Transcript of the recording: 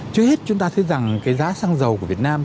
trước hết chúng ta thấy rằng cái giá xăng dầu của việt nam